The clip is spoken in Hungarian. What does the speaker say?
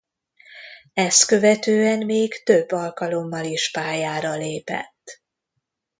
Ezt követően még több alkalommal is pályára lépett.